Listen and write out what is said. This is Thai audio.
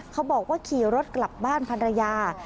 เขาบอกว่าขี่รถกลับบ้านภรรยา